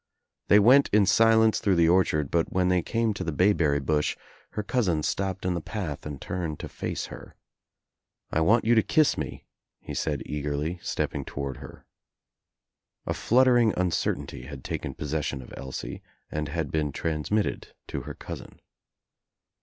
They went * in silence through the orchard but when they came to the bayberry bush her cousin stopped in the path and turned to face her. "I want you to kiss me," he said eagerly, stepping toward her. A fluttering uncertainty had taken possession of Elsie and had been transmitted to her cousin.